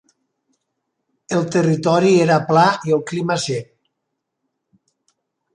El territori era pla i el clima sec.